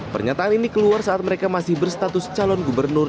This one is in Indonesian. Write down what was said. pernyataan ini keluar saat mereka masih berstatus calon gubernur